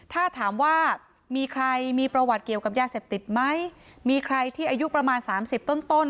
ถ้าถามว่ามีใครมีประวัติเกี่ยวกับยาเสพติดไหมมีใครที่อายุประมาณสามสิบต้นต้น